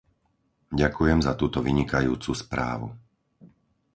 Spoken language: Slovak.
Ďakujem za túto vynikajúcu správu.